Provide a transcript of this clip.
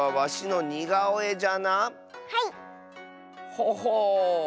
ほほう。